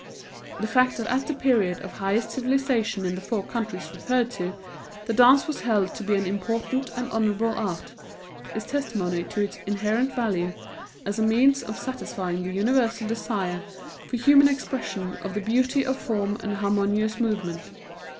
The fact that at the period of highest civilization in the four countries referred to the dance was held to be an important and honorable art, is testimony to its inherent value as a means of satisfying the universal desire for human expression of the beauty of form and harmonious movement.